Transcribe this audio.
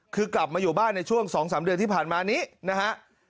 คือกลับมาอยู่บ้านในช่วง๒๓เดือนที่ผ่านมานี้นะฮะ